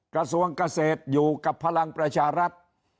กระทรวงเกษตรอยู่กับพลังประชารัฐ